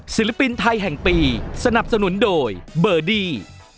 ศิลปินไทยแห่งปีสนับสนุนโดยเบอร์ดี้